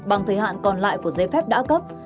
bằng thời hạn còn lại của giấy phép đã cấp